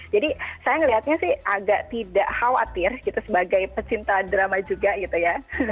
jadi saya ngelihatnya sih agak tidak khawatir gitu sebagai pecinta drama juga gitu ya